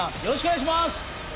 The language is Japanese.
よろしくお願いします。